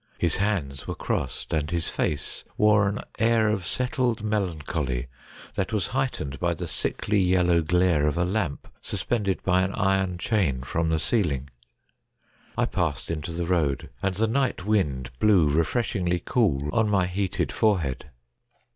His hands were crossed, and his face wore an air of settled melancholy that was heightened by the sickly yellow glare of a lamp sus pended by an iron chain from the ceiling. I passed into the road, and the night wind blew refresh ingly cool on my heated forehead.